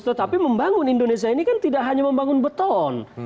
tetapi membangun indonesia ini kan tidak hanya membangun beton